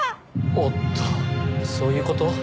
おっとそういうこと？